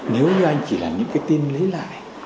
nếu như anh chỉ là những cái tin lấy lại